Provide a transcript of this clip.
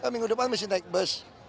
minggu depan mesti naik bus